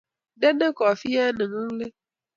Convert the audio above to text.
Kendene kofiet nengung leet